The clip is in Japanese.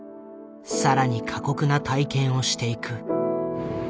更に過酷な体験をしていく。